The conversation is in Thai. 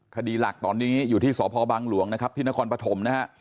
คดีหลักตอนนี้อยู่ที่สพบังหลวงนะครับที่นครปฐมนะฮะ